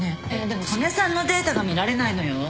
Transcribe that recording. でも曽根さんのデータが見られないのよ。